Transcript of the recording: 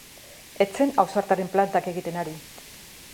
Ez zen ausartaren plantak egiten ari.